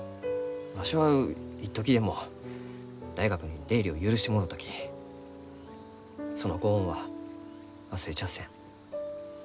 わしは一時でも大学に出入りを許してもろうたきそのご恩は忘れちゃあせん。